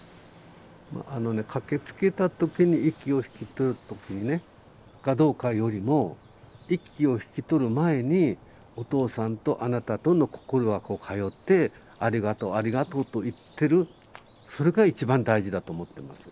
あのね駆けつけた時に息を引き取るかどうかよりも息を引き取る前にお父さんとあなたとの心がこう通って「ありがとうありがとう」と言ってるそれが一番大事だと思ってます。